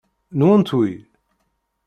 Nwent wi?